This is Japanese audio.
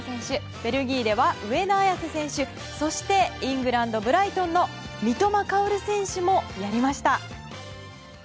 ベルギーでは上田綺世選手そして、イングランドブライトンの三笘薫選手もやりました！